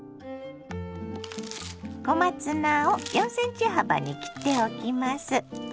小松菜を４ｃｍ幅に切っておきます。